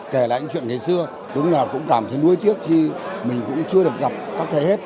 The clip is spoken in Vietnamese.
kể lại những chuyện ngày xưa lúc nào cũng cảm thấy nuối tiếc khi mình cũng chưa được gặp các thầy hết